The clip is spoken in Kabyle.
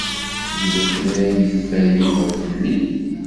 Yella kra ay yeffer Yuba fell-i.